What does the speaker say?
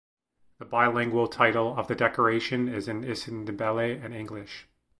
The bilingual title of the decoration is in isiNdebele and English.